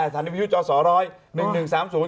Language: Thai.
๑๘๐๘ฐานีพยุทธจอสรรอย